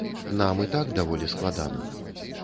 Нам і так даволі складана.